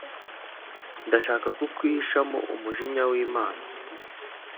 Ndashaka kukwihishamo umujinya w’Imana